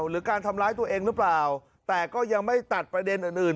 หรือการทำร้ายตัวเองหรือเปล่าแต่ก็ยังไม่ตัดประเด็นอื่นอื่น